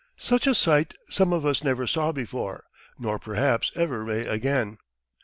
Such a sight some of us never saw before, nor perhaps ever may again."